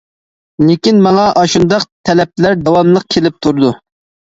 لېكىن، ماڭا ئاشۇنداق تەلەپلەر داۋاملىق كېلىپ تۇرىدۇ.